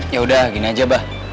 yaudah gini aja bah